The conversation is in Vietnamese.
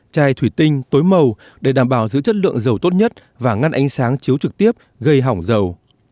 chai thủy tinh tối màu để đảm bảo giữ chất lượng dầu tốt nhất và ngăn ánh sáng chiếu trực tiếp gây hỏng dầu